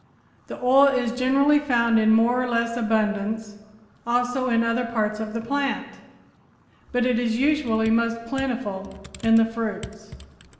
The oil is generally found in more or less abundance also in other parts of the plant, but is usually most plentiful in the fruits.